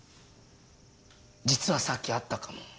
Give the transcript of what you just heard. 実はさっき会ったかも。